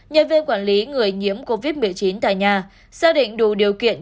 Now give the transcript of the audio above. nhân viên quản lý người nhiễm covid một mươi chín tại nhà xác định đủ điều kiện